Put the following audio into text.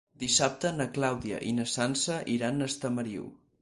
Dissabte na Clàudia i na Sança iran a Estamariu.